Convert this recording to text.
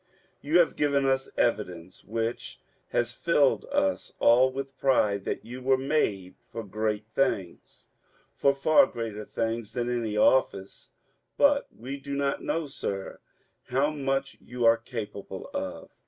You have given us evidence which has filled us all with pride that you were made for great things, for far greater things than any office, but we do not know, sir, how much you are capable of.